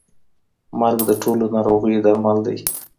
مرګ د ټولو ناروغیو درمل دی.